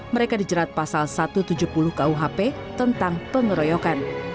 mereka dijerat pasal satu ratus tujuh puluh kuhp tentang pengeroyokan